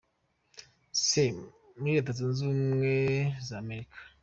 C, muri Leta Zunze Ubumwe za Amerika.